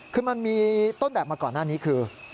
คือมันมีต้นแบบมาก่อนหน้านี้คือ